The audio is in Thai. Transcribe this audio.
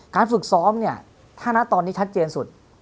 การฝึกซ้อมถ้านักตอนนี้ชัดเจนสุด